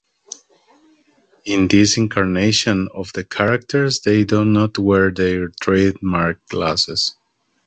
In this incarnation of the characters they do not wear their trademark glasses.